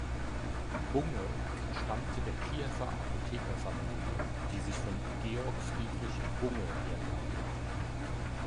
Bunge entstammte der Kiewer Apothekerfamilie, die sich von Georg Friedrich Bunge herleitet.